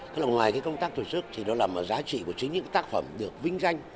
nó nằm ngoài cái công tác tổ chức thì nó nằm ở giá trị của chính những tác phẩm được vinh danh